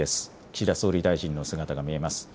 岸田総理大臣の姿が見えます。